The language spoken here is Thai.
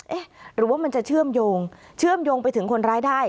เอ๊ะหรือว่ามันจะเชื่อมโยงเชื่อมโยงไปถึงคนร้ายได้